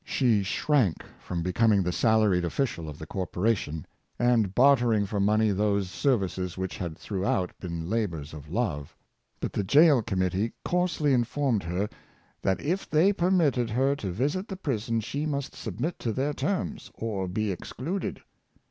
She shrank from becom ing the salaried official of the corporation, and barter ing for money those services which had throughout been labors of love. But the Jail Committee coarsely informed her " that, if they permitted her to visit the prison, she must submit to their terms, or be excluded."